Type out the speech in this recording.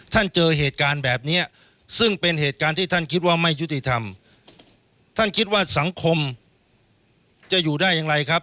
เจอเหตุการณ์แบบนี้ซึ่งเป็นเหตุการณ์ที่ท่านคิดว่าไม่ยุติธรรมท่านคิดว่าสังคมจะอยู่ได้อย่างไรครับ